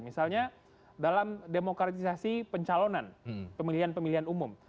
misalnya dalam demokratisasi pencalonan pemilihan pemilihan umum